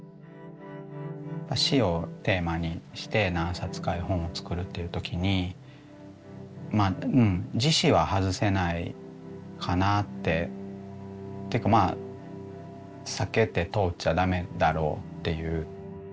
死をテーマにして何冊か絵本を作るっていう時に「自死」は外せないかなってというか避けて通っちゃ駄目だろうっていう。